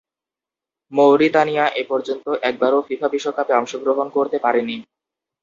মৌরিতানিয়া এপর্যন্ত একবারও ফিফা বিশ্বকাপে অংশগ্রহণ করতে পারেনি।